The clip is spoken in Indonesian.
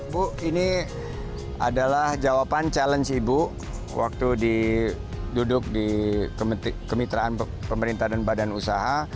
bu ini adalah jawaban challenge ibu waktu duduk di kemitraan pemerintah dan badan usaha